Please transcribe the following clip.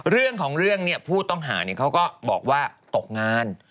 เรื่องของเรื่องผู้ต้องหาเขาก็บอกว่าตกงาน